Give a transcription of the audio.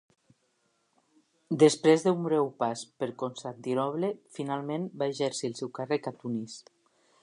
Després d'un breu pas per Constantinoble, finalment va exercir el seu càrrec a Tunis.